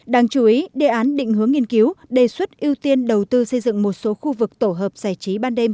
đáng chú ý đề án định hướng nghiên cứu đề xuất ưu tiên đầu tư xây dựng một số khu vực tổ hợp giải trí ban đêm